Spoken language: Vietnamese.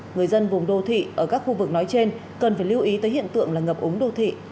người dân vùng đô thị ở các khu vực nói trên cần phải lưu ý tới hiện tượng là ngập úng đô thị